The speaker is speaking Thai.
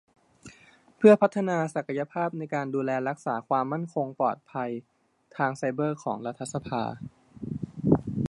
เพื่อพัฒนาศักยภาพในการดูแลรักษาความมั่นคงปลอดภัยทางไซเบอร์ของรัฐสภา